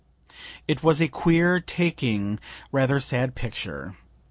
It was a queer, taking, rather sad picture.